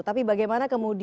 tapi bagaimana kemudian